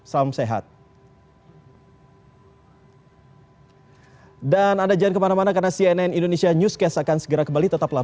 salam sehat dan anda jangan kemana mana karena cnn indonesia newscast akan segera kembali tetaplah